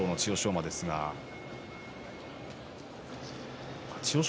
馬ですが千代翔